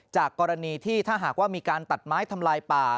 จากกรณีที่ถ้าหากว่ามีการตัดไม้ทำลายป่า